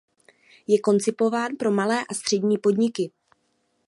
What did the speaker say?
Je koncipován pro malé a střední podniky.